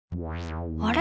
あれ？